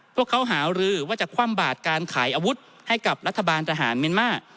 พวกเขาหารือว่าจะคว่ำบาดการขายอาวุธให้กับรัฐบาลทหารเมียนมาร์